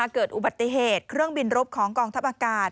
เกิดอุบัติเหตุเครื่องบินรบของกองทัพอากาศ